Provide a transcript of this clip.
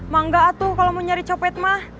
mangga tuh kalau mau nyari copet mah